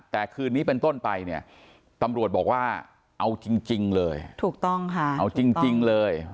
แต่คืนนี้เป็นต้นไปเนี่ยตำรวจบอกว่าเอาจริงเลยถูกต้องค่ะเอาจริงเลย